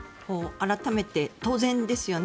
改めて当然ですよね。